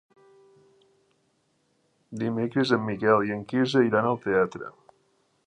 Dimecres en Miquel i en Quirze iran al teatre.